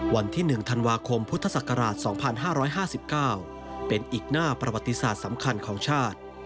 วันที่๑ธันวาคมพุทธศักราช๒๕๕๙เป็นอีกหน้าประวัติศาสตร์สำคัญของชาติ